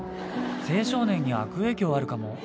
青少年に悪影響あるかも。